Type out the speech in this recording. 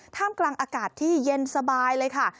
ท่ามกลางอากาศที่เย็นสบายเลยค่ะ